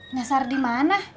nyasar di mana